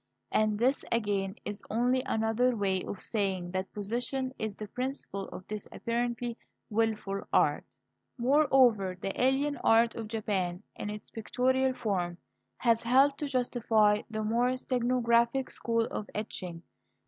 And this, again, is only another way of saying that position is the principle of this apparently wilful art. Moreover, the alien art of Japan, in its pictorial form, has helped to justify the more stenographic school of etching.